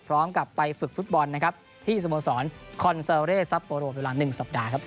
พร้อมกับไปฝึกฟุตบอลที่สมสรรค์คอนเซอเรสัปโปรโลประมาณ๑สัปดาห์